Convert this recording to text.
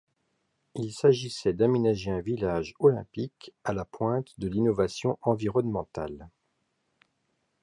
Il s’agissait d’aménager un village olympique à la pointe de l’innovation environnementale.